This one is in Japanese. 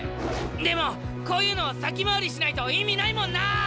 でもこういうの先回りしないと意味ないもんな！